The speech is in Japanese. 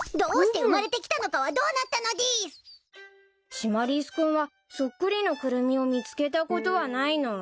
シマリス君はそっくりのクルミを見つけたことはないの？